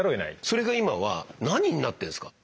それが今は何になってんですか？